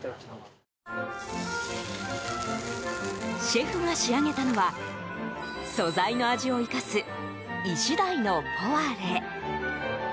シェフが仕上げたのは素材の味を生かすイシダイのポワレ。